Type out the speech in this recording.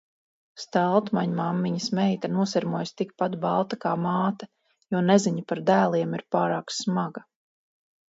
Staltmaņmammiņas meita nosirmojusi tikpat balta kā māte, jo neziņa par dēliem ir pārāk smaga.